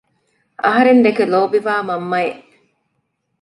އަހަރެން ދެކެ ލޯބިވާ މަންމައެއް